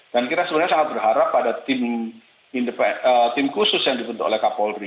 dan kita sebenarnya sangat berharap pada tim khusus yang dibentuk oleh pak polri